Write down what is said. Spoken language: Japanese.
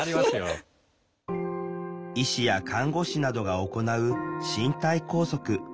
医師や看護師などが行う身体拘束。